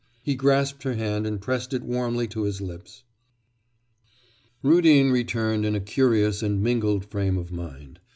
He grasped her hand and pressed it warmly to his lips. Rudin returned in a curious and mingled frame of mind.